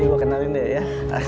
nanti gue kenalin deh ya